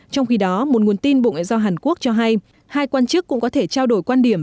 trong khi đó một nguồn tin bộ ngoại giao hàn quốc cho hay hai quan chức cũng có thể trao đổi quan điểm